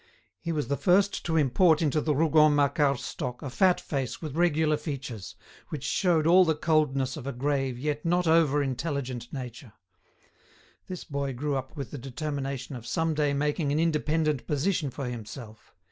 He was the first to import into the Rougon Macquart stock a fat face with regular features, which showed all the coldness of a grave yet not over intelligent nature. This boy grew up with the determination of some day making an independent position for himself.